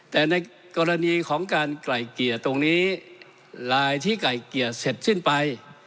แต่ในกรณีของการไกล่เกลี่ยตรงนี้ลายที่ไกลเกลี่ยเสร็จสิ้นไป